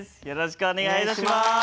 よろしくお願いします。